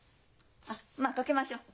あっまあ掛けましょう。